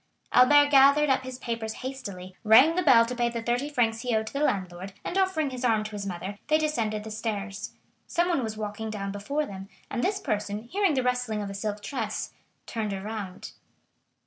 Albert gathered up his papers hastily, rang the bell to pay the thirty francs he owed to the landlord, and offering his arm to his mother, they descended the stairs. Someone was walking down before them, and this person, hearing the rustling of a silk dress, turned around.